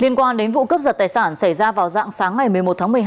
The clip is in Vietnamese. liên quan đến vụ cướp giật tài sản xảy ra vào dạng sáng ngày một mươi một tháng một mươi hai